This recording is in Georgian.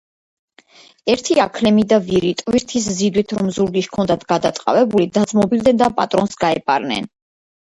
ერთი აქლემი და ვირი, ტვირთის ზიდვით რომ ზურგი ჰქონდათ გადატყავებული, დაძმობილდნენ და პატრონს გაეპარნენ.